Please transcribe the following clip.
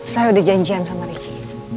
saya udah janjian sama ricky